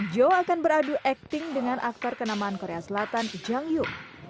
joe akan beradu akting dengan aktor kenamaan korea selatan yu